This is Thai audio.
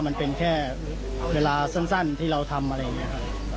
มันเป็นแค่เวลาสั้นที่เราทำอะไรอย่างนี้ครับ